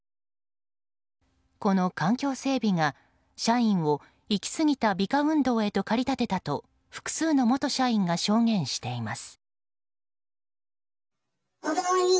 この環境整備が社員を行き過ぎた美化運動へと駆り立てたと複数の元社員が証言しています。